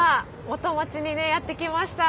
元町にねやって来ました。